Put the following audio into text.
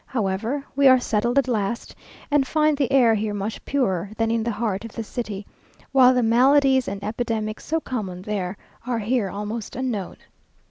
However, we are settled at last, and find the air here much purer than in the heart of the city, while the maladies and epidemics so common there, are here almost unknown.